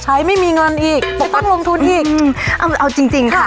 ไม่มีเงินอีกจะต้องลงทุนอีกเอาเอาจริงจริงค่ะ